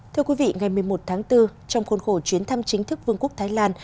thưa quý vị ngày một mươi một tháng bốn trong khuôn khổ chuyến thăm chính thức vương quốc thái lan